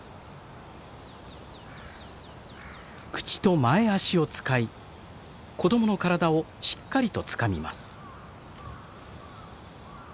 口と前足を使い子供の体をしっかりとつかみます。